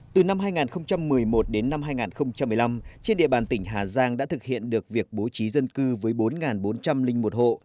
từ năm hai nghìn một mươi một đến năm hai nghìn một mươi năm trên địa bàn tỉnh hà giang đã thực hiện được việc bố trí dân cư với bốn bốn trăm linh một hộ